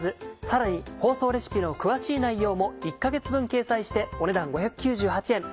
さらに放送レシピの詳しい内容も１か月分掲載してお値段５９８円。